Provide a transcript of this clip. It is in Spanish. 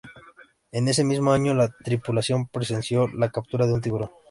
En ese mismo año la tripulación presenció la captura de un tiburón.